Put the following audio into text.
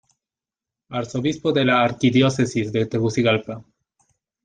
Arzobispo de la Arquidiócesis de Tegucigalpa.